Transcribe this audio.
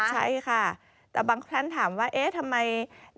ใช่ค่ะแต่บางท่านถามว่าเอ๊ะทำไม